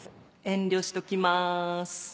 遠慮しときます。